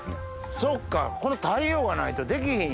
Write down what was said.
そっかこの太陽がないとできひん。